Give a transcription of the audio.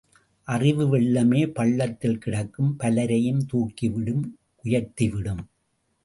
அறிவு வெள்ளமே பள்ளத்தில் கிடக்கும் பலரையும் தூக்கிவிடும் உயர்த்தி விடும்.